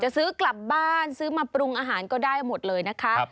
ซื้อกลับบ้านซื้อมาปรุงอาหารก็ได้หมดเลยนะคะ